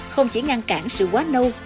không chỉ ngăn cản sự quá nâu